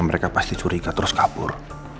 mereka pasti curiga terus kabur